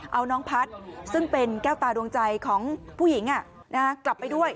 เอาน้องพัฒน์ซึ่งเป็นแก้วตาดวงใจของผู้หญิงกลับไปด้วย